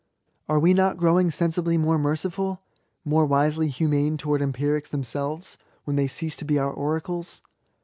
Are we not growing sensibly more merciful^' more wisely humane towards empirics themselves^ when they cease to be our oracles